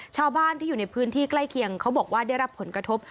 ชาวบ้านที่อยู่ในพื้นที่ใกล้เคียงเขาบอกว่าได้รับผลกระทบ